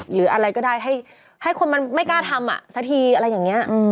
หรืออะไรก็ได้ให้ให้คนมันไม่กล้าทำอ่ะสักทีอะไรอย่างเงี้ยอืม